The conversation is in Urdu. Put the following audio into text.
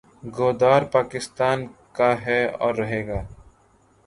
گودار پاکستان کاھے اور رہے گا